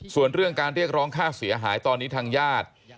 ส่วนเรื่องการเรียกร้องค่าเสียหายตอนนี้ทางญาติ